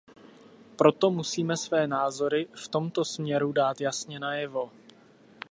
Proto musíme své názory v tomto směru dát jasně najevo.